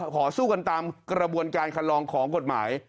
ขอสู้กันตามกระบวนการคันลองของกฎหมาย